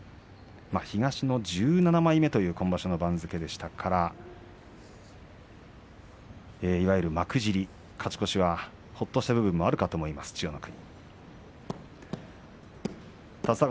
東の１７枚目という今場所の番付でしたからいわゆる幕尻勝ち越しはほっとした部分もあるかと思います、千代の国。